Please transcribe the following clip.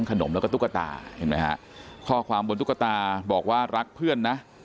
ขนมแล้วก็ตุ๊กตาเห็นไหมฮะข้อความบนตุ๊กตาบอกว่ารักเพื่อนนะ